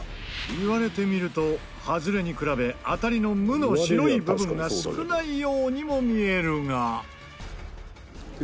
言われてみるとハズレに比べ当たりの「ム」の白い部分が少ないようにも見えるが。